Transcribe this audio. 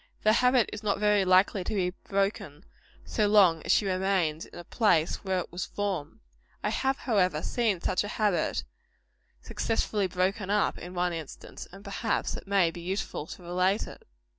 The habit is not very likely to be broken, so long as she remains in the place where it was formed. I have, however, seen such a habit successfully broken up; in one instance; and perhaps it may be useful to relate it.